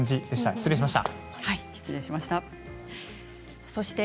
失礼しました。